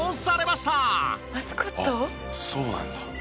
「あっそうなんだ」